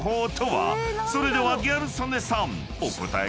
［それではギャル曽根さんお答えください］